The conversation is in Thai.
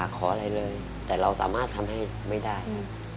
ขออะไรเลยแต่เราสามารถทำให้ไม่ได้